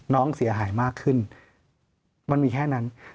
น้องเสียหายมากขึ้นมันมีแค่นั้น